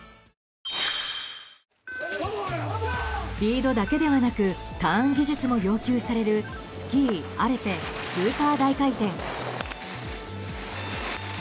スピードだけではなくターン技術も要求されるスキーアルペンスーパー大回転。